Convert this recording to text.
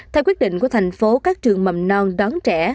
theo quyết định của thành phố các trường mầm non đón trẻ